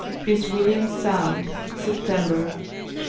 Prince William sound, Sep tember.